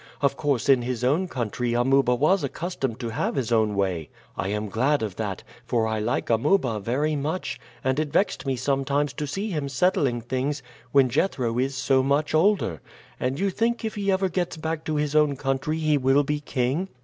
Of course, in his own country, Amuba was accustomed to have his own way. I am glad of that, for I like Amuba very much, and it vexed me sometimes to see him settling things when Jethro is so much older. And you think if he ever gets back to his own country he will be king?"